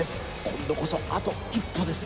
今度こそあと一歩です